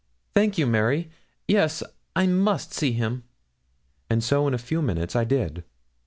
'Thank you, Mary; yes, I must see him.' And so, in a few minutes, I did.